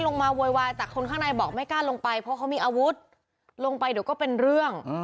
โวยวายแต่คนข้างในบอกไม่กล้าลงไปเพราะเขามีอาวุธลงไปเดี๋ยวก็เป็นเรื่อง